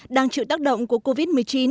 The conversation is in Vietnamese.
đang chịu tác động của covid một mươi chín